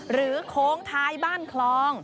โค้งท้ายบ้านคลอง